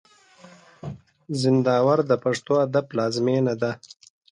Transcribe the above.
زينداور د پښتو ادب پلازمېنه ده.